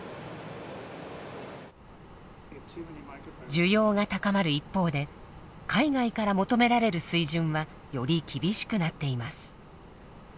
需要が高まる一方で海外から求められる水準はより厳しくなっています。